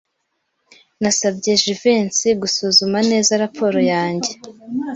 Nasabye Jivency gusuzuma neza raporo yanjye.